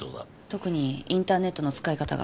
特にインターネットの使い方が。